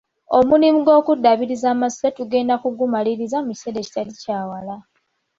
Omulimu gw'okuddaabiriza amasiro tugenda kugumaliriza mu kiseera ekitali kya wala.